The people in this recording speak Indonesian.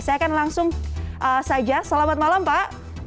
saya akan langsung saja selamat malam pak